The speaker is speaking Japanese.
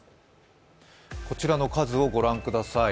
こちらの数をご覧ください。